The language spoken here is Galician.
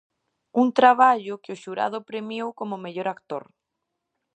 Un traballo que o xurado premiou como mellor actor.